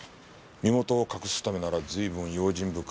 身元を隠すためなら随分用心深い犯人だな。